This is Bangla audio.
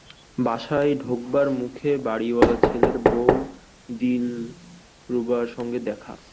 বাসায় ঢোকবার মুখে বাড়িয়ালার ছেলের বউ দিলরুবার সঙ্গে দেখা।